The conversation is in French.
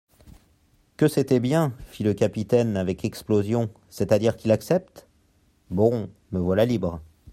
Que c'était bien ! fit le capitaine avec explosion, c'est-à-dire qu'il accepte ? Bon ! me voilà libre.